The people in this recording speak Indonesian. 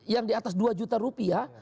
yang di atas dua juta rupiah